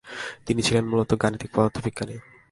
তিনি ছিলেন মূলত গাণিতিক পদার্থবিজ্ঞানী।